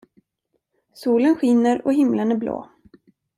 Solen skiner och himlen är blå.